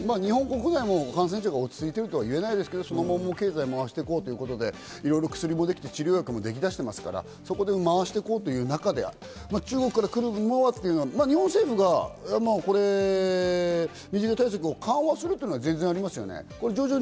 日本国内も感染者が落ち着いているとはいえないですけど、そのまま経済を回そうということで、薬も治療薬もできていますから、そこで回していこうという中で、中国から来るものは日本政府が水際対策を緩和するというのは全然ありますよね。